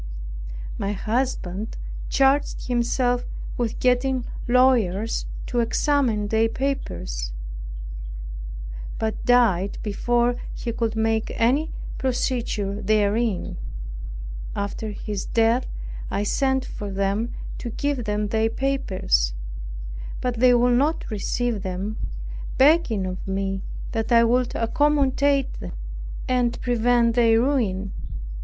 My husband charged himself with getting lawyers to examine their papers, but died before he could make any procedure therein. After his death I sent for them to give them their papers; but they would not receive them, begging of me that I would accommodate them, and prevent their ruin.